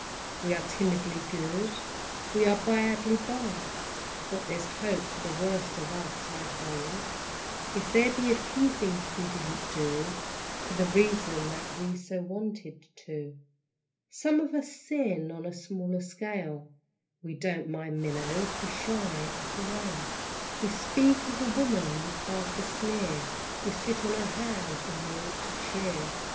We are timidly good, we are badly bold, But there's hope for the worst of us, I hold, If there be a few things we didn't do, For the reason that we so wanted to. Some of us sin on a smaller scale. (We don't mind minnows, we shy at a whale.) We speak of a woman with half a sneer, We sit on our hands when we ought to cheer.